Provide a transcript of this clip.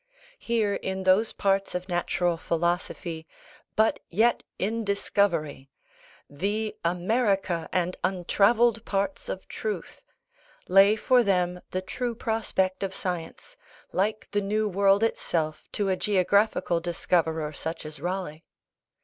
Here, in those parts of natural philosophy "but yet in discovery," "the America and untravelled parts of truth," lay for them the true prospect of science, like the new world itself to a geographical discoverer such as Raleigh.